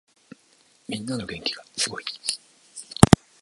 みんなの元気がすごい。